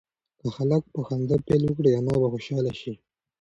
که هلک په خندا پیل وکړي انا به خوشحاله شي.